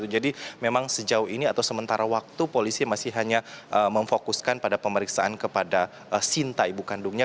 jadi memang sejauh ini atau sementara waktu polisi masih hanya memfokuskan pada pemeriksaan kepada sinta ibu kandungnya